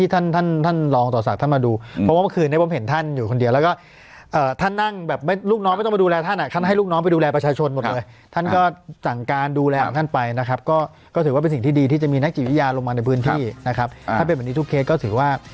ถ้าเป็นเหมือนที่ทุกเคสก็ถือว่า